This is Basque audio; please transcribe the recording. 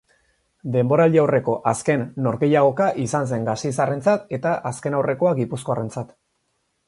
Denboraldiaurreko azken norgehiagoka izan zen gasteiztarrentzat eta azkenaurrekoa gipuzkoarrentzat.